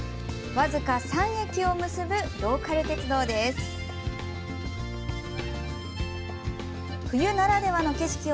僅か３駅を結ぶローカル鉄道です。